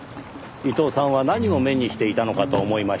伊藤さんは何を目にしていたのかと思いましてね。